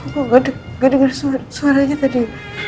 aku gak dengar suaranya tadi